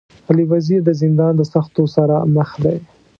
علي وزير د زندان د سختو سره مخ دی.